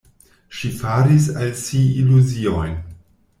Ŝi faris al si iluziojn.